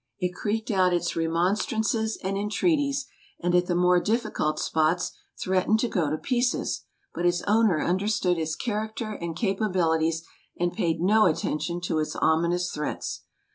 It creaked out its remonstrances and entreaties, and at the more difficult spots threatened to go to pieces ; but its owner understood its character and capabilities, and paid no atten tion to its ominous threats.